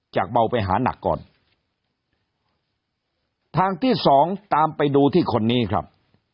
เบาไปหานักก่อนทางที่สองตามไปดูที่คนนี้ครับ